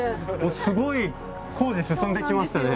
すごい工事進んできましたね。